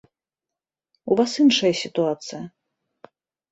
У вас іншая сітуацыя.